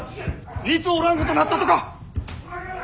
いつおらんことなったとか！